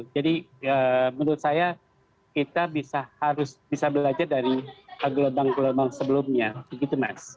jadi menurut saya kita bisa belajar dari gelombang gelombang sebelumnya begitu mas